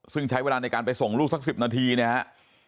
ซึ่งใช้เวลาในการไปส่งลูกสัก๑๐นาทีเนี่ยฮะ